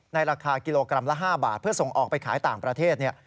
ราคากิโลกรัมละ๕บาทเพื่อส่งออกไปขายต่างประเทศ